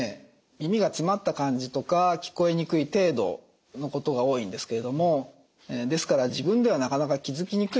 耳が詰まった感じとか聞こえにくい程度のことが多いんですけれどもですから自分ではなかなか気付きにくいと。